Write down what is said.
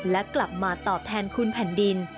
และกลับมาตอบแทนคุณแผ่นดิน